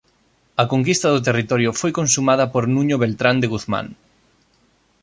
A conquista do territorio foi consumada por Nuño Beltrán de Guzmán.